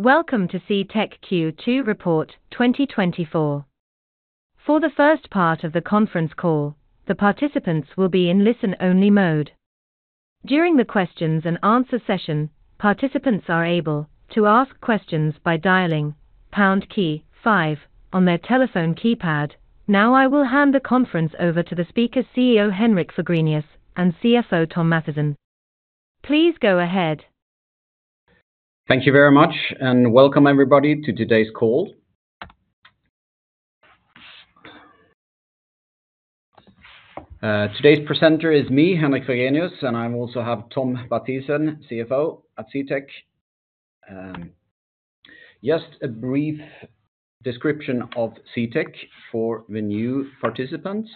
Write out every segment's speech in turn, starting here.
Welcome to CTEK Q2 report 2024. For the first part of the conference call, the participants will be in listen-only mode. During the questions and answer session, participants are able to ask questions by dialing pound key five on their telephone keypad. Now, I will hand the conference over to the speaker, CEO Henrik Fagrenius, and CFO Thom Mathisen. Please go ahead. Thank you very much, and welcome everybody to today's call. Today's presenter is me, Henrik Fagrenius, and I also have Thom Mathisen, CFO at CTEK. Just a brief description of CTEK for the new participants.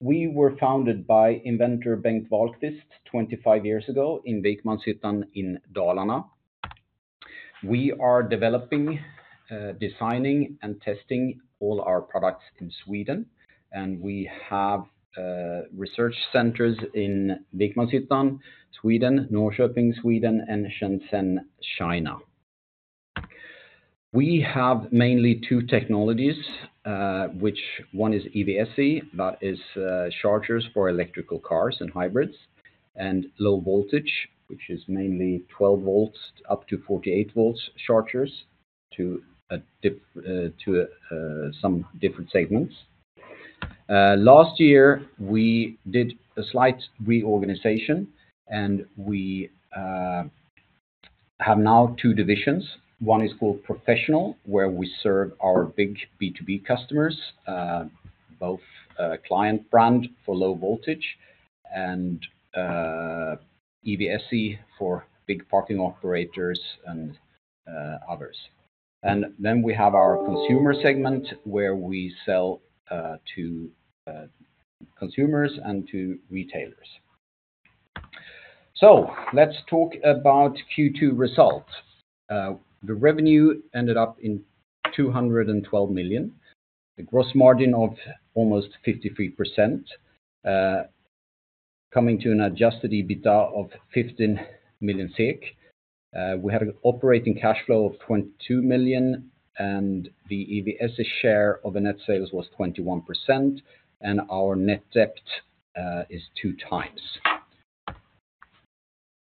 We were founded by inventor, Bengt Wahlqvist, 25 years ago in Vikmanshyttan in Dalarna. We are developing, designing and testing all our products in Sweden, and we have research centers in Vikmanshyttan, Sweden, Norrköping, Sweden, and Shenzhen, China. We have mainly two technologies, which one is EVSE, that is, chargers for electrical cars and hybrids, and Low Voltage, which is mainly 12 volts, up to 48 volts chargers to some different segments. Last year, we did a slight reorganization, and we have now two divisions. One is called Professional, where we serve our big B2B customers, both Client Brand for Low Voltage and EVSE for big parking operators and others. And then we have our consumer segment, where we sell to consumers and to retailers. So let's talk about Q2 results. The revenue ended up in 212 million, a gross margin of almost 53%, coming to an adjusted EBITDA of 15 million SEK. We had an operating cash flow of 22 million, and the EVSE share of the net sales was 21%, and our net debt is 2x.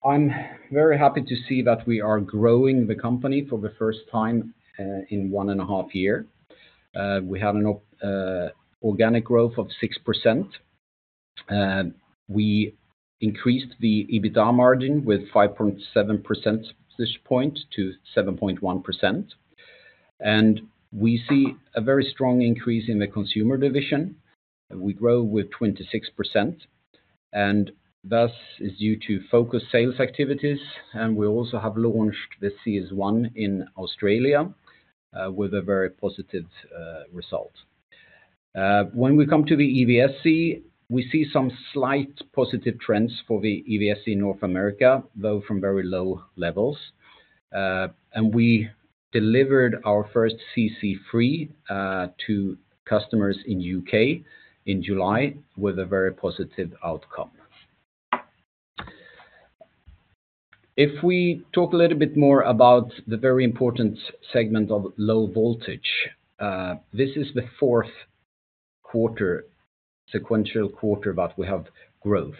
I'm very happy to see that we are growing the company for the first time in one and a half year. We have an organic growth of 6%. We increased the EBITDA margin by 5.7% to 7.1%. And we see a very strong increase in the Consumer Division. We grow with 26%, and this is due to focus sales activities, and we also have launched the CS ONE in Australia with a very positive result. When we come to the EVSE, we see some slight positive trends for the EVSE in North America, though from very low levels. And we delivered our first CC3 to customers in the U.K. in July with a very positive outcome. If we talk a little bit more about the very important segment of Low Voltage, this is the fourth consecutive quarter that we have growth.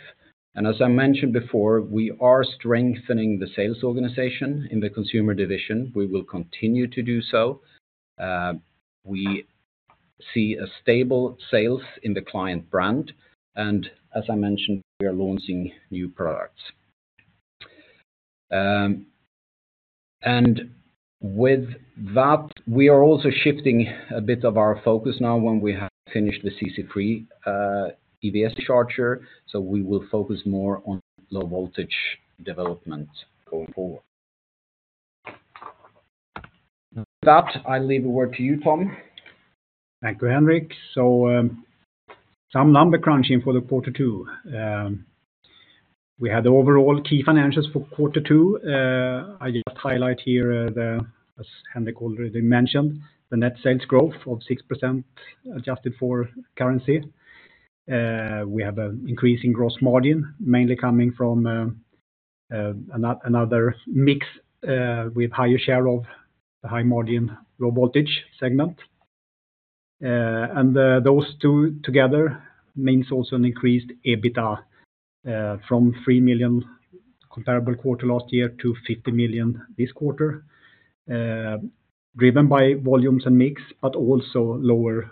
And as I mentioned before, we are strengthening the sales organization in the Consumer Division. We will continue to do so. We see a stable sales in the Client Brand, and as I mentioned, we are launching new products. With that, we are also shifting a bit of our focus now when we have finished the CC3 EVSE charger, so we will focus more on Low Voltage development going forward. With that, I leave a word to you, Thom. Thank you, Henrik. So, some number crunching for quarter two. We had the overall key financials for quarter two. I just highlight here, as Henrik already mentioned, the net sales growth of 6%, adjusted for currency. We have an increase in gross margin, mainly coming from another mix, with higher share of the high-margin Low Voltage segment. Those two together means also an increased EBITDA, from 3 million comparable quarter last year to 50 million this quarter. Driven by volumes and mix, but also lower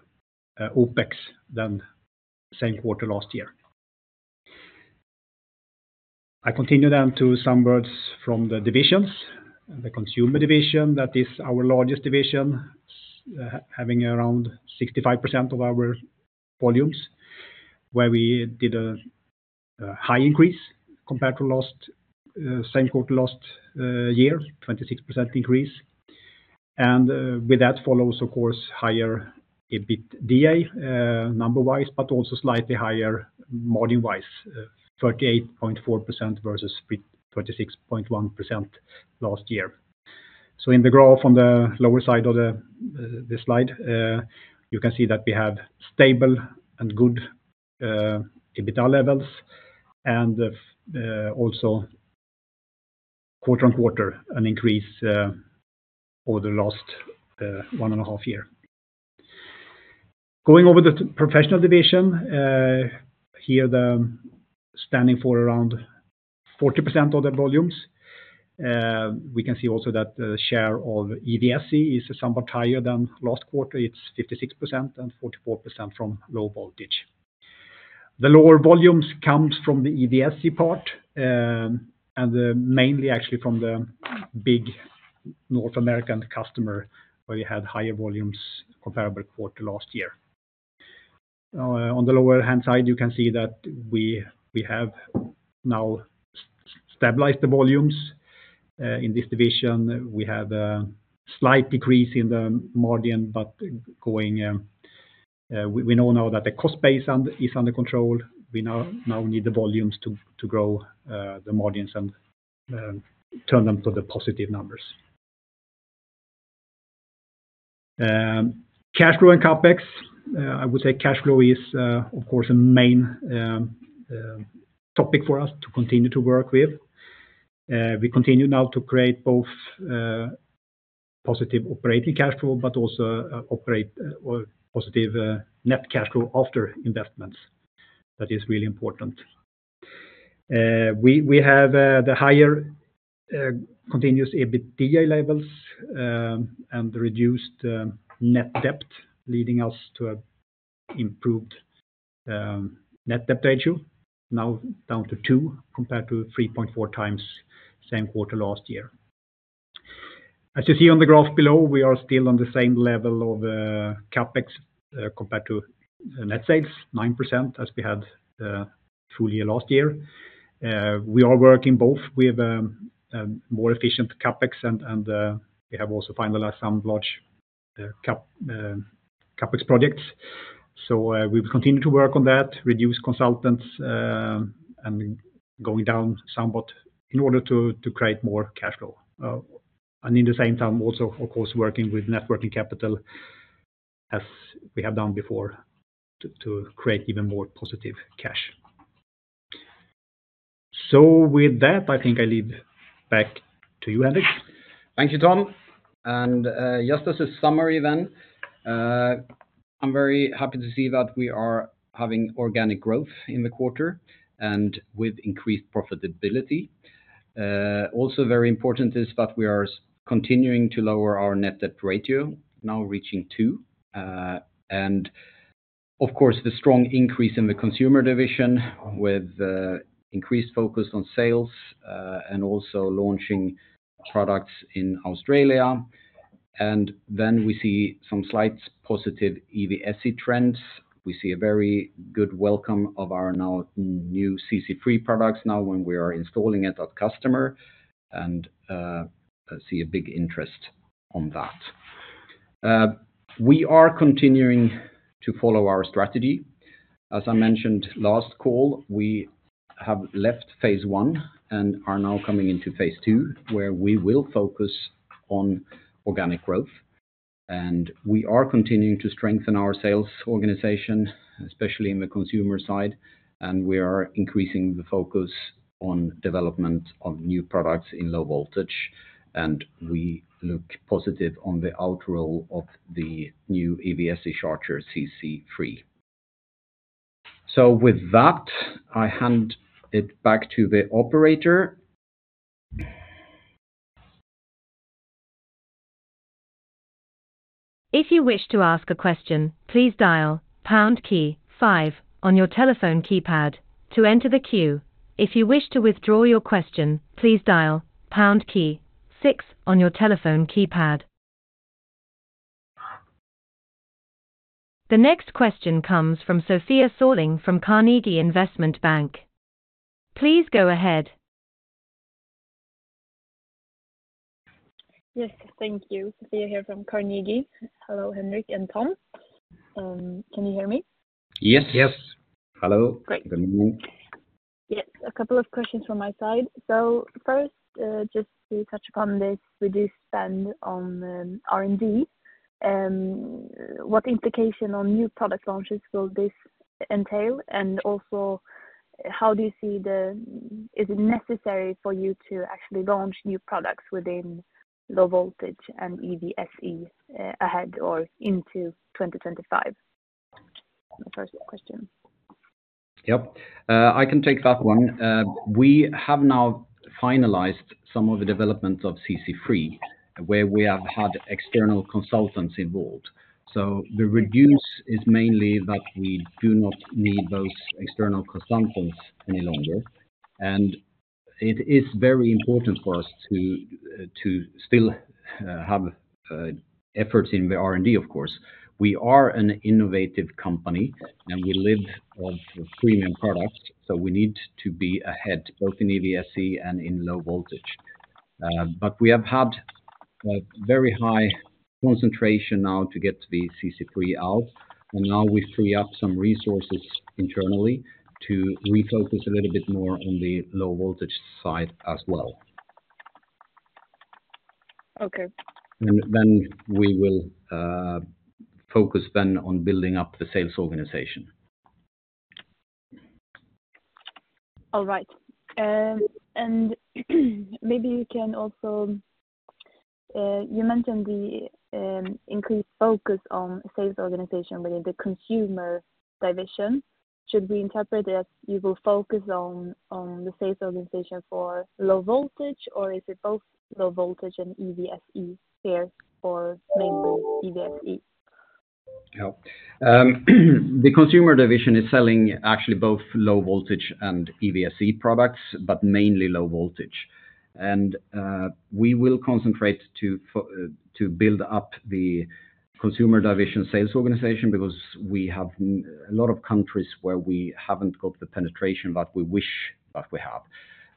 OpEx than the same quarter last year. I continue then to some words from the divisions. The consumer division, that is our largest division, having around 65% of our volumes, where we did a high increase compared to last same quarter last year, 26% increase. With that follows, of course, higher EBITDA number-wise, but also slightly higher margin-wise, 38.4% versus 26.1% last year. So in the graph on the lower side of the slide, you can see that we have stable and good EBITDA levels, and also quarter on quarter, an increase over the last one and a half year. Going over the Professional Division, here the standing for around 40% of the volumes. We can see also that the share of EVSE is somewhat higher than last quarter. It's 56% and 44% from Low Voltage. The lower volumes come from the EVSE part, and mainly actually from the big North American customer, where we had higher volumes comparable quarter last year. On the lower hand side, you can see that we have now stabilized the volumes in this division. We have a slight decrease in the margin, but going, we know now that the cost base is under control. We now need the volumes to grow the margins and turn them to the positive numbers. Cash flow and CapEx. I would say cash flow is, of course, a main topic for us to continue to work with. We continue now to create both positive operating cash flow, but also operate or positive net cash flow after investments. That is really important. We have the higher continuous EBITDA levels and the reduced net debt, leading us to improved net debt ratio, now down to two compared to 3.4x same quarter last year. As you see on the graph below, we are still on the same level of CapEx compared to net sales, 9%, as we had full year last year. We are working both with more efficient CapEx and we have also finalized some large CapEx projects. So, we've continued to work on that, reduce consultants, and going down somewhat in order to create more cash flow. And at the same time, also, of course, working with working capital, as we have done before, to create even more positive cash. With that, I think I leave back to you, Henrik. Thank you, Thom. Just as a summary then, I'm very happy to see that we are having organic growth in the quarter and with increased profitability. Also very important is that we are continuing to lower our net debt ratio, now reaching two, and of course, the strong increase in the consumer division with the increased focus on sales, and also launching products in Australia. Then we see some slight positive EVSE trends. We see a very good welcome of our now new CC3 products now when we are installing it at customer, and see a big interest on that. We are continuing to follow our strategy. As I mentioned last call, we have left phase one and are now coming into phase two, where we will focus on organic growth. We are continuing to strengthen our sales organization, especially in the consumer side, and we are increasing the focus on development of new products in Low Voltage, and we look positive on the rollout of the new EVSE charger, CC3. So with that, I hand it back to the operator. If you wish to ask a question, please dial pound key five on your telephone keypad to enter the queue. If you wish to withdraw your question, please dial pound key six on your telephone keypad. The next question comes from Sofia Sörling from Carnegie Investment Bank. Please go ahead. Yes, thank you. Sofia here from Carnegie. Hello, Henrik and Thom. Can you hear me? Yes. Yes. Hello. Great. Good morning. Yes, a couple of questions from my side. So first, just to touch upon this, reduced spend on R&D, what implication on new product launches will this entail? And also, how do you see the, is it necessary for you to actually launch new products within Low Voltage and EVSE, ahead or into 2025? My first question. Yep, I can take that one. We have now finalized some of the developments of CC3, where we have had external consultants involved. So the reduction is mainly that we do not need those external consultants any longer, and it is very important for us to still have efforts in the R&D, of course. We are an innovative company, and we live off premium products, so we need to be ahead, both in EVSE and in Low Voltage. But we have had very high concentration now to get the CC3 out, and now we free up some resources internally to refocus a little bit more on theLow Voltage side as well. Okay. Then we will focus then on building up the sales organization. All right. Maybe you can also, you mentioned the increased focus on sales organization within the Consumer Division. Should we interpret that you will focus on the sales organization for Low Voltage, or is it both Low Voltage and EVSE? Fair or mainly EVSE? Yeah. The consumer division is selling actually both Low Voltage and EVSE products, but mainly Low Voltage. And, we will concentrate to build up the consumer division sales organization because we have a lot of countries where we haven't got the penetration that we wish that we have.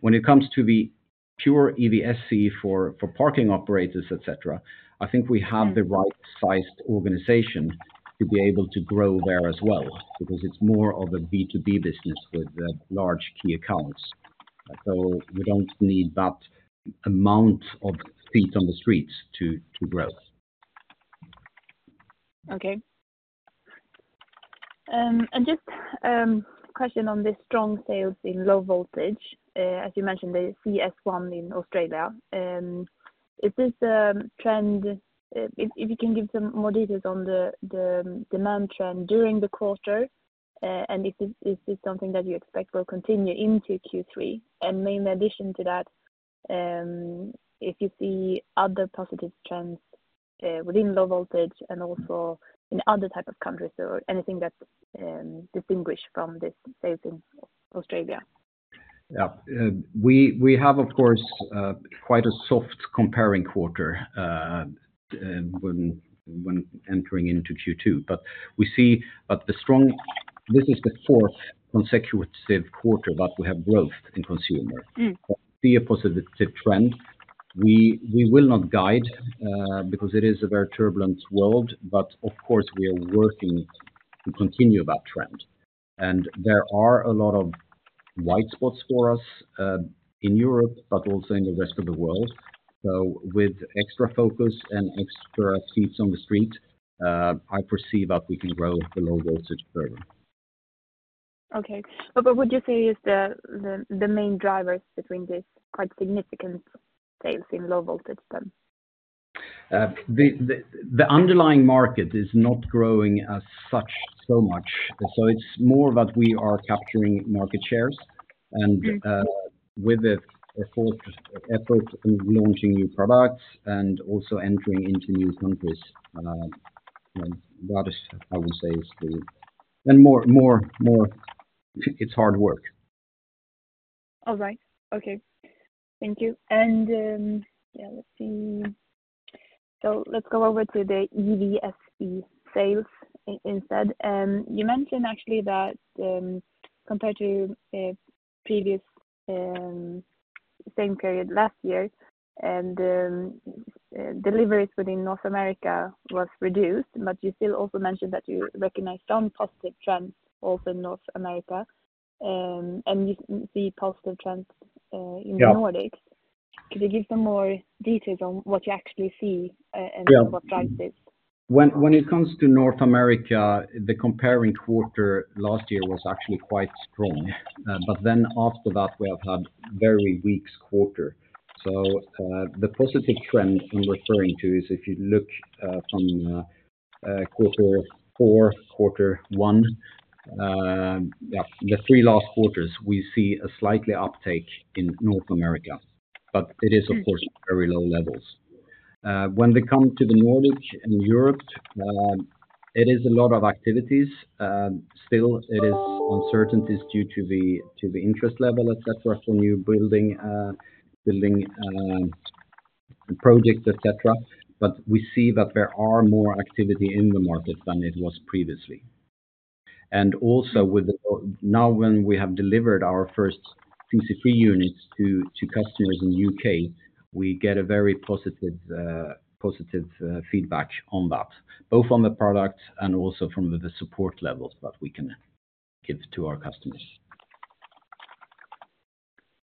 When it comes to the pure EVSE for parking operators, et cetera, I think we have the right sized organization to be able to grow there as well, because it's more of a B2B business with large key accounts. So we don't need that amount of feet on the streets to grow. Okay. And just a question on the strong sales in Low Voltage, as you mentioned, the CS ONE in Australia, is this trend, if you can give some more details on the demand trend during the quarter, and if it's something that you expect will continue into Q3? And maybe in addition to that, if you see other positive trends within Low Voltage and also in other type of countries or anything that's distinguished from this sales in Australia. Yeah. We have, of course, quite a soft comparing quarter when entering into Q2. But we see that the strong, this is the fourth consecutive quarter that we have growth in consumer. Mm. See a positive trend. We, we will not guide, because it is a very turbulent world, but of course, we are working to continue that trend. There are a lot of white spots for us, in Europe, but also in the rest of the world. With extra focus and extra seats on the street, I foresee that we can grow the Low Voltage further. Okay. But would you say is the main drivers between this quite significant sales in Low Voltage then? The underlying market is not growing as such, so much. So it's more that we are capturing market shares and, with the, of course, effort in launching new products and also entering into new countries, then that is, I would say, the... And more, it's hard work. All right. Okay. Thank you. And, yeah, let's see. So let's go over to the EVSE sales instead. You mentioned actually that, compared to previous same period last year, and deliveries within North America was reduced, but you still also mentioned that you recognize some positive trends also in North America, and you see positive trends in the- Yeah Nordics. Could you give some more details on what you actually see, and- Yeah What drives this? When it comes to North America, the comparing quarter last year was actually quite strong. But then after that, we have had very weak quarter. So, the positive trend I'm referring to is if you look from Q4, Q1, the three last quarters, we see a slightly uptake in North America, but it is, of course- very low levels. When we come to the Nordic and Europe, it is a lot of activities. Still, it is uncertainties due to the, to the interest level, et cetera, for new building, building, projects, et cetera. But we see that there are more activity in the market than it was previously. And also. Now, when we have delivered our first CC3 units to, to customers in the UK, we get a very positive, positive, feedback on that, both on the product and also from the support levels that we can give to our customers.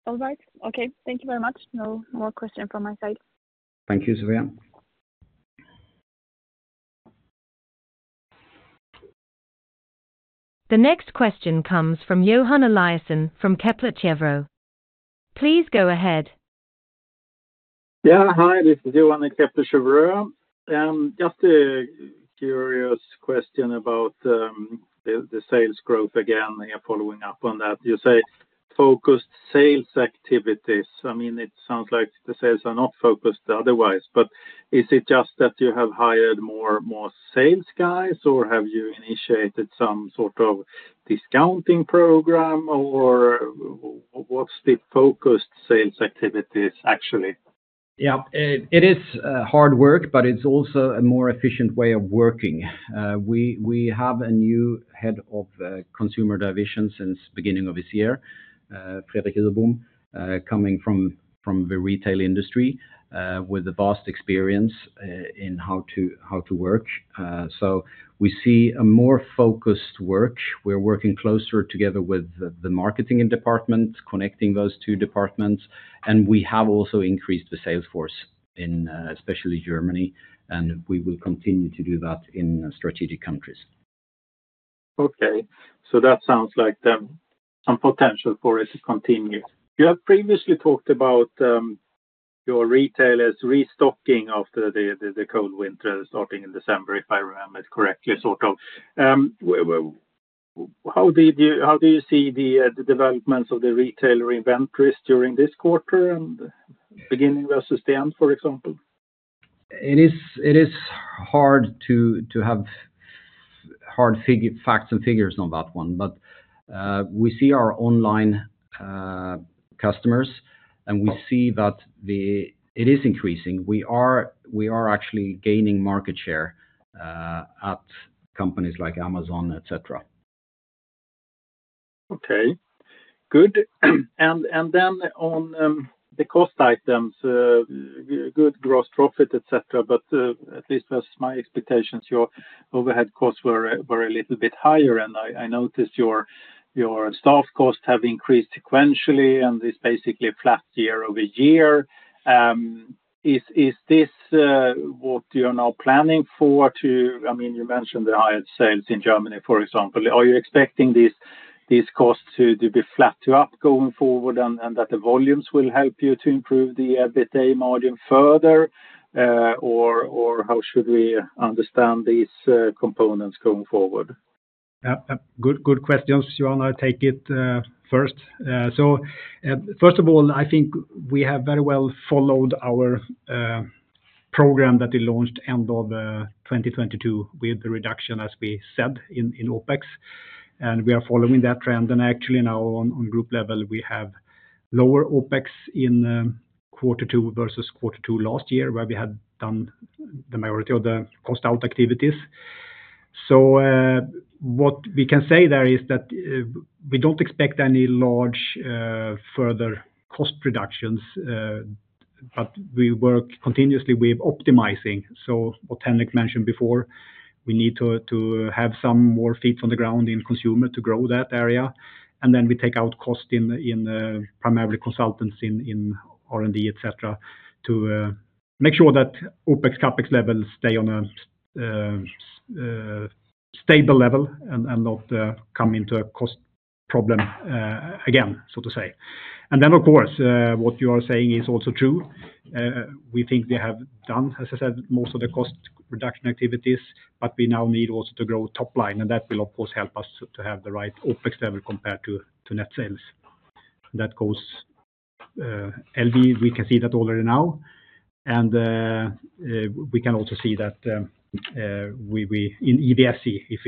All right. Okay, thank you very much. No more question from my side. Thank you, Sofia. The next question comes from Johan Eliason from Kepler Cheuvreux. Please go ahead. Yeah. Hi, this is Johan at Kepler Cheuvreux. Just a curious question about the sales growth again, and following up on that. You say, focused sales activities. I mean, it sounds like the sales are not focused otherwise, but is it just that you have hired more sales guys, or have you initiated some sort of discounting program, or what's the focused sales activities actually? Yeah, it is hard work, but it's also a more efficient way of working. We have a new Head of Consumer Division since beginning of this year, Fredrik Uhrbom, coming from the retail industry, with a vast experience in how to work. So we see a more focused work. We're working closer together with the marketing department, connecting those two departments, and we have also increased the sales force in especially Germany, and we will continue to do that in strategic countries. Okay. So that sounds like some potential for it to continue. You have previously talked about your retailers restocking after the cold winter, starting in December, if I remember correctly, sort of. Well, how do you see the developments of the retailer inventories during this quarter and beginning versus the end, for example? It is hard to have hard figures, facts, and figures on that one. But we see our online customers, and we see that it is increasing. We are actually gaining market share at companies like Amazon, et cetera. Okay, good. And then on the cost items, good gross profit, et cetera, but at least that's my expectations. Your overhead costs were a little bit higher, and I noticed your staff costs have increased sequentially, and it's basically flat year-over-year. Is this what you're now planning for? I mean, you mentioned the higher sales in Germany, for example. Are you expecting these costs to be flat to up going forward, and that the volumes will help you to improve the EBITDA margin further? Or how should we understand these components going forward? Good question, Johan. I'll take it first. So, first of all, I think we have very well followed our program that we launched end of 2022, with the reduction, as we said, in OpEx, and we are following that trend. Actually now on group level, we have lower OpEx in Q2 versus Q2 last year, where we had done the majority of the cost out activities. So, what we can say there is that we don't expect any large further cost reductions, but we work continuously with optimizing. So what Henrik mentioned before, we need to have some more feet on the ground in consumer to grow that area, and then we take out cost in, in, primarily consultants in, in R&D, et cetera, to make sure that OpEx, CapEx levels stay on a stable level and, and not come into a cost problem, again, so to say. And then, of course, what you are saying is also true. We think we have done, as I said, most of the cost reduction activities, but we now need also to grow top line, and that will, of course, help us to have the right OpEx level compared to net sales. That goes, LD, we can see that already now, and we can also see that we in EBFC, if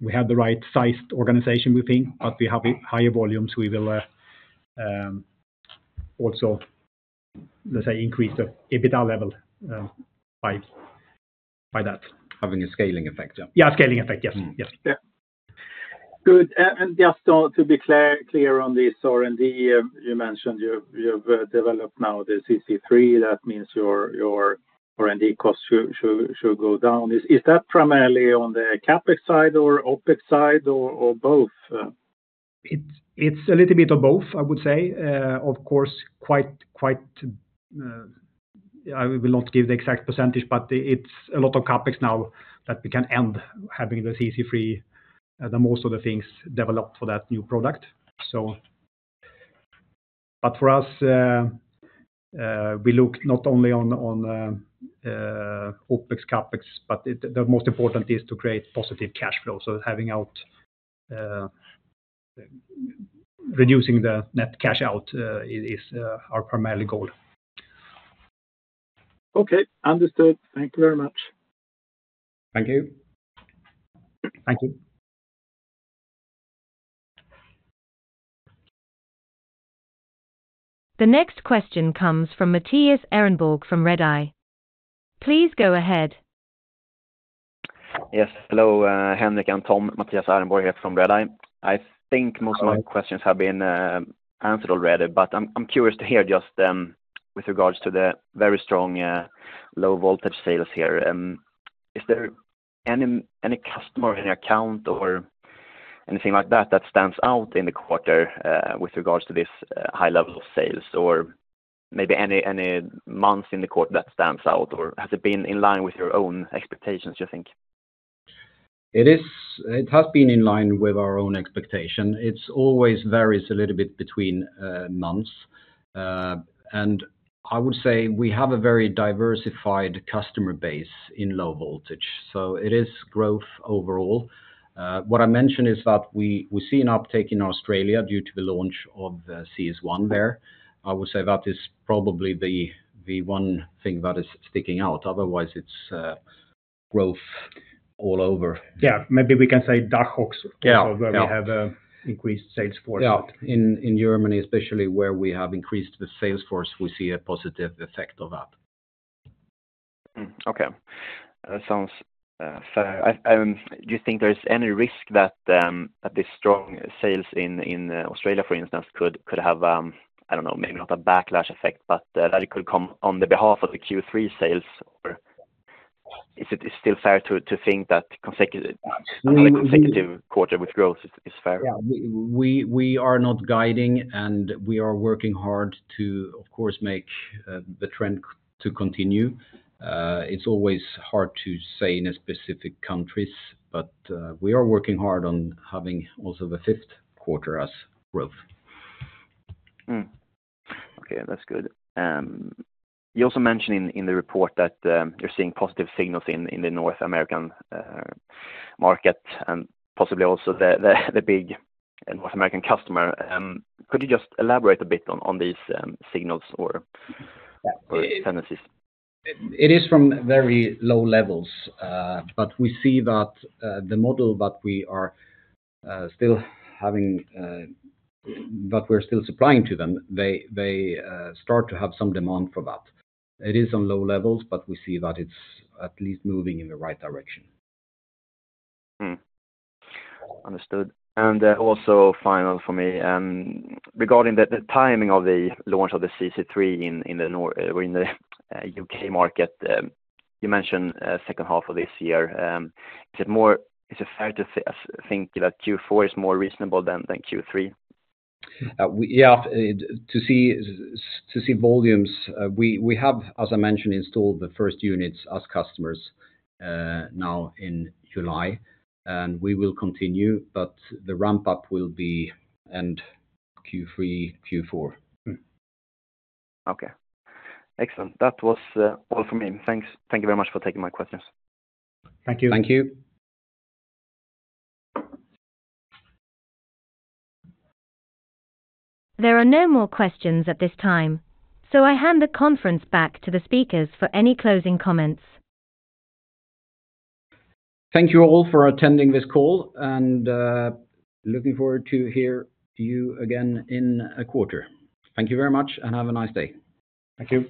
we have the right sized organization, we think, but we have higher volumes, we will also, let's say, increase the EBITDA level by that. Having a scaling effect, yeah. Yeah, scaling effect. Yes, yes. Yeah. Good, and just to be clear on this R&D, you mentioned you've developed now the CC3. That means your R&D costs should go down. Is that primarily on the CapEx side or OpEx side or both? It's a little bit of both, I would say. Of course, quite, I will not give the exact percentage, but it's a lot of CapEx now that we can end having the CC3, the most of the things developed for that new product. So... But for us, we look not only on OpEx, CapEx, but it, the most important is to create positive cash flow. So having out, reducing the net cash out, is our primarily goal. Okay, understood. Thank you very much. Thank you. Thank you. The next question comes from Mattias Ehrenborg, from Redeye. Please go ahead. Yes, hello, Henrik and Thom. Mattias Ehrenborg here from Redeye. I think most of my questions have been answered already, but I'm curious to hear just with regards to the very strong Low Voltage sales here, is there any customer, any account or anything like that, that stands out in the quarter with regards to this high level of sales? Or maybe any months in the quarter that stands out, or has it been in line with your own expectations, you think? It has been in line with our own expectation. It's always varies a little bit between months. And I would say we have a very diversified customer base in Low Voltage, so it is growth overall. What I mentioned is that we, we see an uptake in Australia due to the launch of the CS1 there. I would say that is probably the, the one thing that is sticking out. Otherwise, it's growth all over. Yeah, maybe we can say DACH also- Yeah, yeah. Where we have increased sales force. Yeah. In Germany, especially where we have increased the sales force, we see a positive effect of that. Mm. Okay. That sounds fair. Do you think there is any risk that the strong sales in Australia, for instance, could have, I don't know, maybe not a backlash effect, but that it could come on the behalf of the Q3 sales? Or is it still fair to think that consecutive- I mean- Another consecutive quarter with growth is fair? Yeah. We, we are not guiding, and we are working hard to, of course, make the trend to continue. It's always hard to say in a specific countries, but we are working hard on having also the Q5 as growth. Okay, that's good. You also mentioned in the report that you're seeing positive signals in the North American market, and possibly also the big North American customer. Could you just elaborate a bit on these signals or tendencies? It is from very low levels, but we see that the model that we are still having. That we're still supplying to them, they start to have some demand for that. It is on low levels, but we see that it's at least moving in the right direction. Understood. And, also final for me, regarding the timing of the launch of the CC3 in the UK market, you mentioned second half of this year, is it fair to say think that Q4 is more reasonable than Q3? We, yeah, to see volumes, we have, as I mentioned, installed the first units as customers now in July, and we will continue, but the ramp up will be end Q3, Q4. Mm. Okay. Excellent. That was all for me. Thanks. Thank you very much for taking my questions. Thank you. Thank you. There are no more questions at this time, so I hand the conference back to the speakers for any closing comments. Thank you all for attending this call, and looking forward to hear you again in a quarter. Thank you very much, and have a nice day. Thank you.